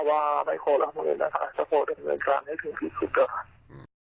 ว่าไม่โคลดละหมื่นนะคะจะโคลดละหมื่นรันให้ถึงที่สุด